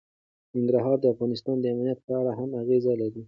ننګرهار د افغانستان د امنیت په اړه هم اغېز لري.